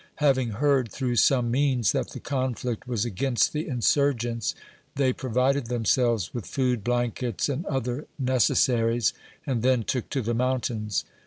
Having heard, through some means, that the conflict was against the insurgents, they provided them selves with food, blankets, and other necessaries, and then took to the mountains.